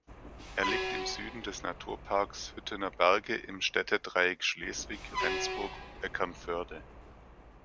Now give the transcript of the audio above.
Er liegt im Süden des Naturparks Hüttener Berge im Städtedreieck Schleswig, Rendsburg, Eckernförde.